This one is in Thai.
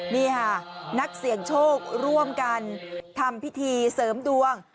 นี่ค่ะนักเสี่ยงโชคร่วมกันทำพิธีเสริมดวง